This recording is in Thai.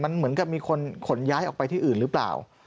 มันเหมือนกับมีคนขนย้ายออกไปที่อื่นหรือเปล่า